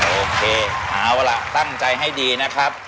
โอเคเอาล่ะตั้งใจให้ดีนะครับ